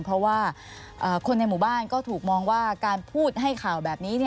เพราะว่าคนในหมู่บ้านก็ถูกมองว่าการพูดให้ข่าวแบบนี้